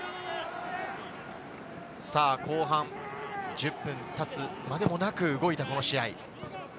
後半１０分たつまでもなく動いたこの試合。